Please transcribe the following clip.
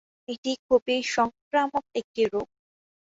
এটি খুবই সংক্রামক একটি রোগ।